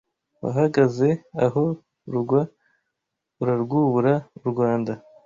Wahagaze aho rugwa Urarwubura u Rwanda